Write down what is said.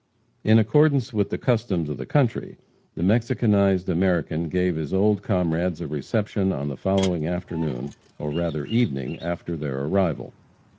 In accordance with the customs of the country, the Mexicanized American gave his old comrades a reception on the following afternoon, or rather evening after their arrival.